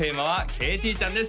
ＫＴちゃんです